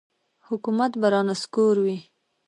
حکومت به را نسکوروي.